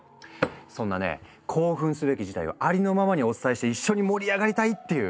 そんなね興奮すべき事態をありのままにお伝えして一緒に盛り上がりたいっていう。